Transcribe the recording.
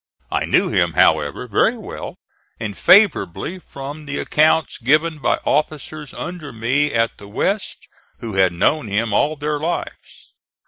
I knew him, however, very well and favorably from the accounts given by officers under me at the West who had known him all their lives.